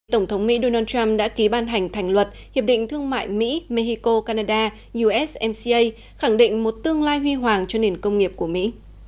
tổng thống mỹ donald trump đã ký ban hành thành luật hiệp định thương mại mỹ mexico canada usmca khẳng định một tương lai huy hoàng cho nền công nghiệp của mỹ